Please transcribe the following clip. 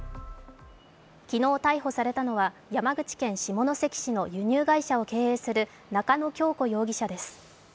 昨日逮捕されたのは山口県下関市の輸入会社を経営する中野京子容疑者です。